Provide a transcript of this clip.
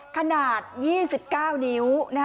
ขนาด๒๙นิ้ว